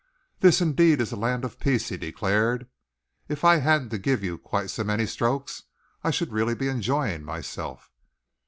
"This indeed is a land of peace," he declared. "If I hadn't to give you quite so many strokes, I should be really enjoying myself."